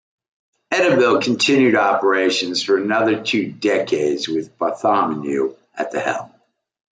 Edaville continued operations for another two decades with Bartholomew at the helm.